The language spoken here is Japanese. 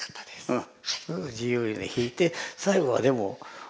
うん。